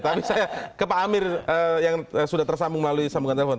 tapi saya ke pak amir yang sudah tersambung melalui sambungan telepon